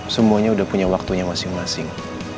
semuanya sudah punya waktunya masing masing